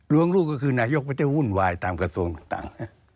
ลูกก็คือนายกไม่ได้วุ่นวายตามกระทรวงต่าง